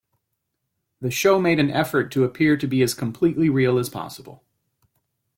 The show made an effort to appear to be as completely real as possible.